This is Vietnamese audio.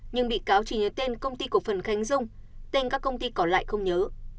nhưng bị cáo chỉ nhớ tên công ty cổ phần khánh dung tên các công ty còn lại không nhớ